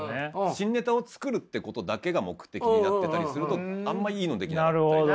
新ネタを作るってことだけが目的になってたりするとあんまいいの出来なかったりとか。